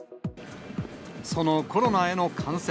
そのコロナへの感染。